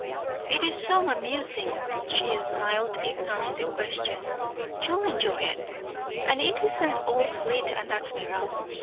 "It's so amusing," she smiled, ignoring the question. "You'll enjoy it. And it isn't all fleet and admiral.